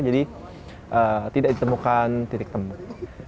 jadi tidak ditemukan titik tembuk